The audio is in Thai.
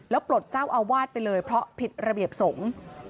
ปลดเจ้าอาวาสไปเลยเพราะผิดระเบียบสงฆ์